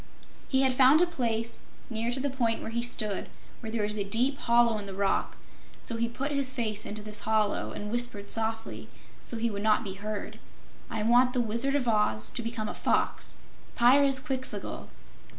He had found a place, near to the point where he stood, where there was a deep hollow in the rock, so he put his face into this hollow and whispered softly, so he would not be heard: "I want the Wizard of Oz to become a fox Pyrzqxgl!"